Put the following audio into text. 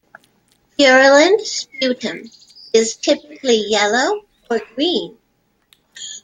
Purulent sputum is typically yellow or green.